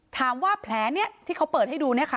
ถามว่าแผลนี้ที่เขาเปิดให้ดูเนี่ยค่ะ